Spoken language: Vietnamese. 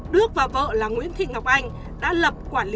đức và vợ là nguyễn thị ngọc anh đã lập quản lý